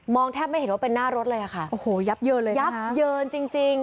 แทบไม่เห็นว่าเป็นหน้ารถเลยอะค่ะโอ้โหยับเยินเลยยับเยินจริงจริง